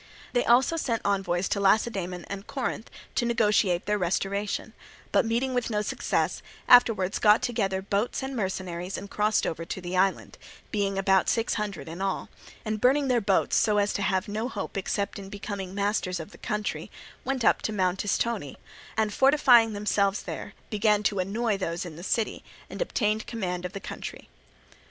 They also sent envoys to Lacedaemon and Corinth to negotiate their restoration; but meeting with no success, afterwards got together boats and mercenaries and crossed over to the island, being about six hundred in all; and burning their boats so as to have no hope except in becoming masters of the country, went up to Mount Istone, and fortifying themselves there, began to annoy those in the city and obtained command of the country.